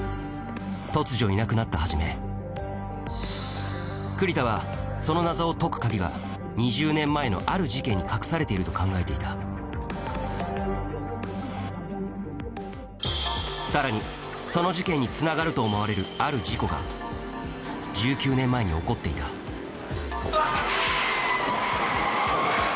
突如いなくなった始栗田はその謎を解くカギが２０年前のある事件に隠されていると考えていたさらにその事件につながると思われるある事故が１９年前に起こっていたあっ！